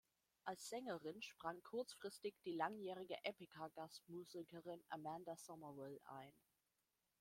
Als Sängerin sprang kurzfristig die langjährige Epica-Gastmusikerin Amanda Somerville ein.